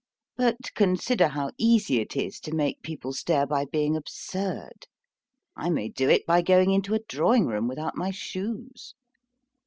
But consider how easy it is to make people stare by being absurd. I may do it by going into a drawing room without my shoes.